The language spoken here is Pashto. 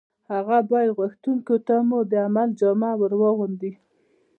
هغه باید غوښتنو ته مو د عمل جامه ور واغوندي